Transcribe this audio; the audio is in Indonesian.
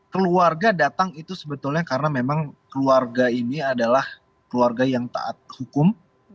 keluarga datang itu sebetulnya karena memang keluarga ini adalah keluarga yang taat hukum